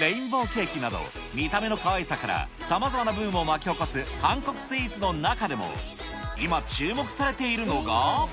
レインボーケーキなど、見た目のかわいさから、さまざまなブームを巻き起こす韓国スイーツの中でも、今注目されているのが。